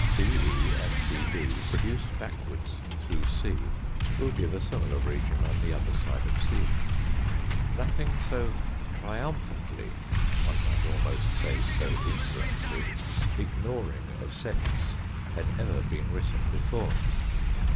CE and CD produced lackwards through c will give a similar region on the other side of c. Nothing so triumphantly, one may almost say so insolently, ignoring of sense had ever been written before.